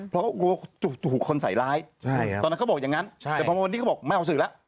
เพราะเขากลัวถูกคนใส่ร้ายตอนนั้นเขาบอกอย่างนั้นแต่พอวันนี้เขาบอกไม่เอาสื่อแล้ว